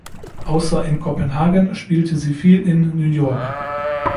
Außer in Kopenhagen spielte sie viel in New York.